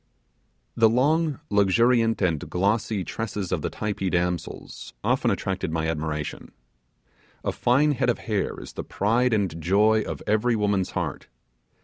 ........ The long luxuriant and glossy tresses of the Typee damsels often attracted my admiration. A fine head of hair is the pride and joy of every woman's heart.